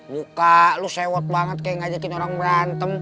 muka lo sewot banget kayak ngajakin orang berantem